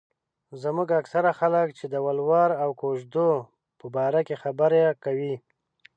زموږ اکثره خلک چې د ولور او کوژدو په باره کې خبره کوي.